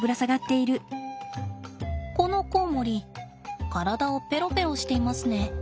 このコウモリ体をぺろぺろしていますね。